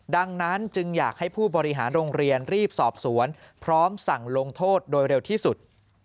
ดังนั้นจึงอยากให้ผู้บริหารโรงเรียนรีบสอบสวนพร้อมสั่งลงโทษโดยเร็วที่สุด